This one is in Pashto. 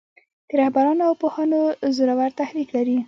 د رهبرانو او پوهانو زورور تحرک لري.